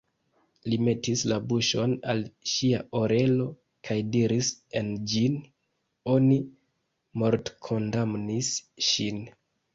Li metis la buŝon al ŝia orelo kaj diris en ĝin: "Oni mortkondamnis ŝin."